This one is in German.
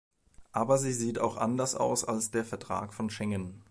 Aber sie sieht auch anders aus als der Vertrag von Schengen.